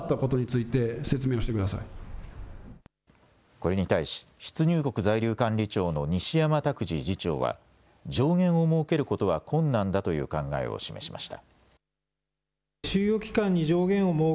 これに対し出入国在留管理庁の西山卓爾次長は上限を設けることは困難だという考えを示しました。